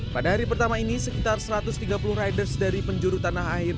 pada hari pertama ini sekitar satu ratus tiga puluh riders dari penjuru tanah air